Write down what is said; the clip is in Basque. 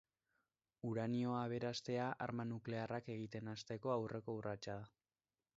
Uranioa aberastea arma nuklearrak egiten hasteko aurreko urratsa da.